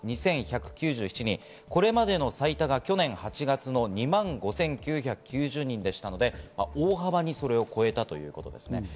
これまでの最多が去年８月の２万５９９０人でしたから大幅に超えたということです。